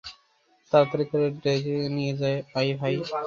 তাড়াতাড়ি করে ডেকে নিয়ে আই, ভাই।